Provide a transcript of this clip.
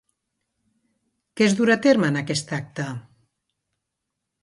Què es durà a terme en aquest acte?